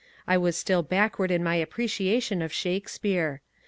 I was still backward in my appreciation of Shakespeare.